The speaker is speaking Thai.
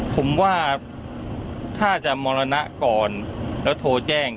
ผมว่าถ้าจะมรณะก่อนแล้วโทรแจ้ง